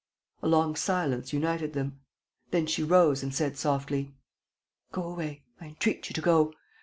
... A long silence united them. Then she rose and said, softly: "Go away, I entreat you to go.